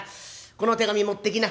この手紙持ってきな」。